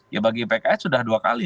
ya bagi pks sudah dua kali